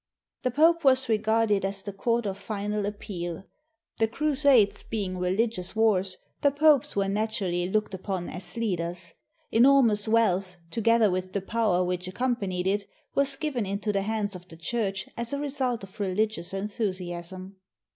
The Pope was regarded as the court of final appeal. The crusades being religious wars, the Popes were naturally looked upon as leaders. Enor mous wealth, together with the power which accompanied it, was given into the hands of the Church as a result of religious enthusiasm.